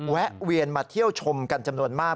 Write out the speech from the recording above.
แวะเวียนมาเที่ยวชมกันจำนวนมาก